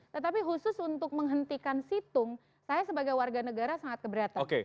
tetapi khusus untuk menghentikan situng saya sebagai warga negara sangat keberatan